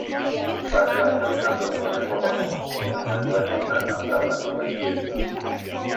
Radio yw'r cyfrwng mwyaf poblogaidd, yn enwedig mewn ardaloedd gwledig.